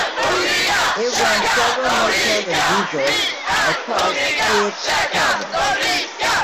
It runs several motels and resorts across the Sindh province.